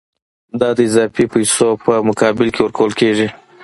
دا د اضافي پیسو په مقابل کې ورکول کېږي